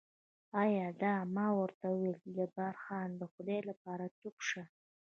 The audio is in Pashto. ایا دا؟ ما ورته وویل جبار خان، د خدای لپاره چوپ شه.